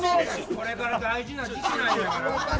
これから大事な時期なんやから。